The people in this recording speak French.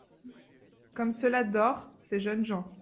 —comme cela dort, ces jeunes gens !